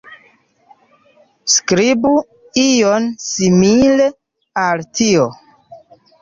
Skribu ion simile al tio